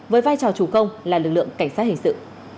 với vai trò chủ công là lực lượng cảnh sát hình sự